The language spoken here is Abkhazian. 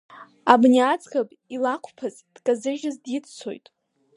Амни аӡӷаб илақәԥан дказыжьыз диццоит.